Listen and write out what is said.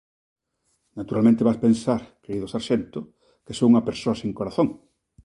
Naturalmente vas pensar, querido sarxento, que son unha persoa sen corazón.